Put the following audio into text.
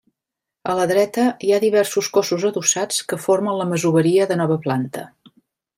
A la dreta hi ha diversos cossos adossats que formen la masoveria de nova planta.